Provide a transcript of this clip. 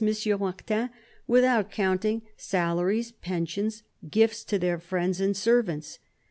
Martin, without counting " salaries, pensions, and gifts to their friends and servants."